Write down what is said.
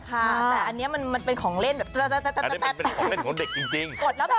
แต่อันนี้มันเป็นของเล่นแบบเป็นของเล่นของเด็กจริง